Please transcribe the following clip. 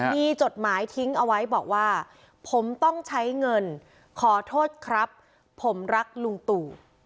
มีจดหมายทิ้งเอาไว้บอกว่าผมต้องใช้เงินขอโทษครับผมรักลุงตู่